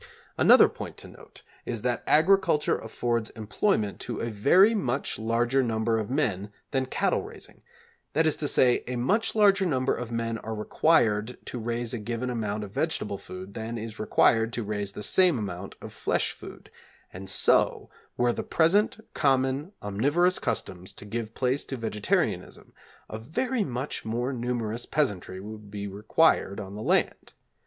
Another point to note is that agriculture affords employment to a very much larger number of men than cattle raising; that is to say, a much larger number of men are required to raise a given amount of vegetable food than is required to raise the same amount of flesh food, and so, were the present common omnivorous customs to give place to vegetarianism, a very much more numerous peasantry would be required on the land.